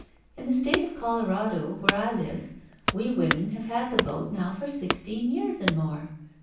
In the State of Colorado, where I live, we women have had the vote now for sixteen years and more.